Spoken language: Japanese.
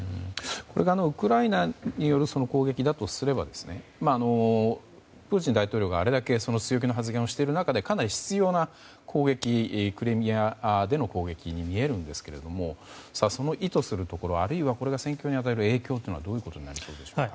これが、ウクライナによる攻撃だとすればプーチン大統領があれだけ強気な発言をしている中でかなり執拗なクリミアへの攻撃に見えますがその意図するところあるいはこれが戦況に与える影響はどういうところにありそうでしょうか。